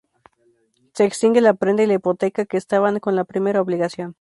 Se extingue la prenda y la hipoteca que estaban con la primera obligación.